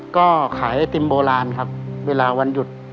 ก็ขายไอติมโบราณครับเวลาวันหยุด